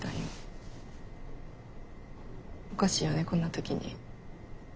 おかしいよねこんな時に。